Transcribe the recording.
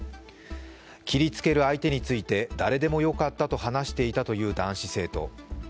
切りつける相手について、誰でもよかったと話していたという男子生徒。